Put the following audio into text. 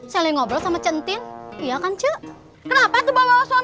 join ngobrol sama centian iya kan ce kenapa izbanoh suami emang benar kongnya counter suami